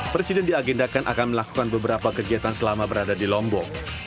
presiden diagendakan akan melakukan beberapa kegiatan selama berada di lombok